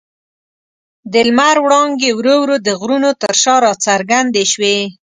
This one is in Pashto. د لمر وړانګې ورو ورو د غرونو تر شا راڅرګندې شوې.